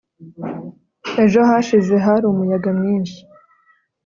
ejo hashize hari umuyaga mwinshi